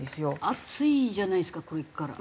暑いじゃないですかこれから。